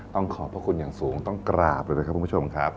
ขอบพระคุณอย่างสูงต้องกราบเลยนะครับคุณผู้ชมครับ